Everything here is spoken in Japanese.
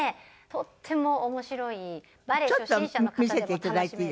とても面白いバレエ初心者の方でも楽しめる。